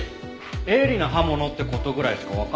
鋭利な刃物って事ぐらいしかわかんないや。